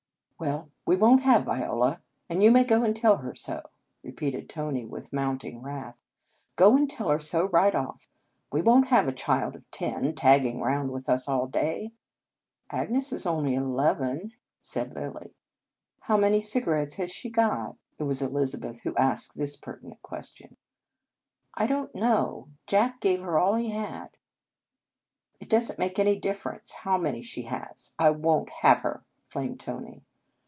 "Well, we won t have Viola, and you may go and tell her so," repeated Tony with mounting wrath. " Go and tell her so right off. We won t have a child of ten tagging round with us all day." " Agnes is only eleven," said Lilly. " How many cigarettes has she got ?" It was Elizabeth who asked this pertinent question. "I don t know. Jack gave her all he had." " It does n t make any difference how many she has. I won t have her," flamed Tony.